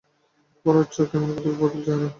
ভরাট চোখ, কেমন পুতুল পুতুল চেহারা।